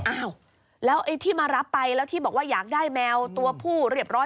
อ้าวแล้วไอ้ที่มารับไปแล้วที่บอกว่าอยากได้แมวตัวผู้เรียบร้อย